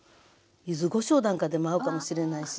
柚子こしょうなんかでも合うかもしれないし。